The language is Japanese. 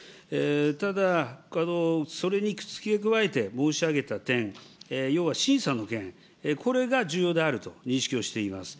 ただ、それに付け加えて申し上げた点、要は審査の件、これが重要であると認識をしています。